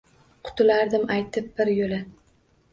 Qutulardim aytib bir yo’la